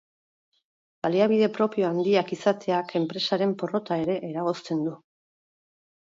Baliabide propio handiak izateak enpresaren porrota ere eragozten du.